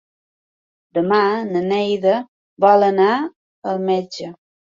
Demà na Neida vol anar al metge.